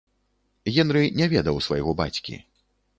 Генры не ведаў свайго бацькі.